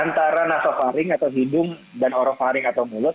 antara nasofaring atau hidung dan orofaring atau mulut